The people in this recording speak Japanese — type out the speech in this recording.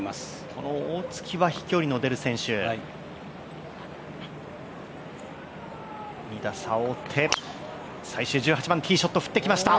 この大槻は飛距離の出る選手２打差を追って、最終１８番ティーショットを振ってきました。